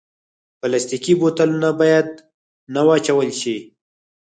پلاستيکي بوتلونه باید نه واچول شي.